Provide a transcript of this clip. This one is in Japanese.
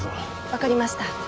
分かりました。